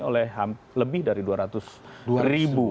oleh lebih dari dua ratus ribu